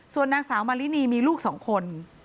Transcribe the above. ส่วนนางสาวมารินีมีลูก๒คน